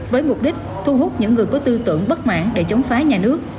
với mục đích thu hút những người có tư tưởng bất mãn để chống phá nhà nước